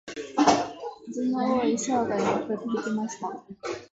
恥の多い生涯を送ってきました。